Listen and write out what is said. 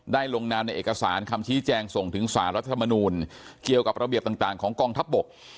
ลงนามในเอกสารคำชี้แจงส่งถึงสารรัฐธรรมนูลเกี่ยวกับระเบียบต่างของกองทัพบก